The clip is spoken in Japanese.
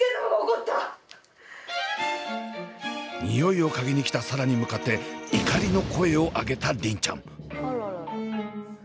においを嗅ぎに来た紗蘭に向かって怒りの声を上げた梨鈴ちゃん。